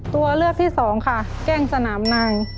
ตัวเลือกที่สองค่ะแก้งสนามนาง